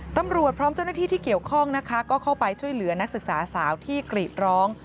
ตำรวจพร้อมเจ้าหน้าที่ที่เกี่ยวข้องนะคะก็เข้าไปช่วยเหลือนักศึกษาสาวที่กรีดร้อง